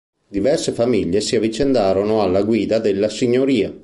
Diverse famiglie si avvicendarono alla guida della signoria.